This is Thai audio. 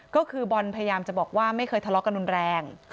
ก็คือบอลพยายามจะบอกว่าไม่เคยทะเลาะกันรุนแรง